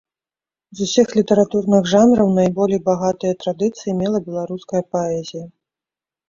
З усіх літаратурных жанраў найболей багатыя традыцыі мела беларуская паэзія.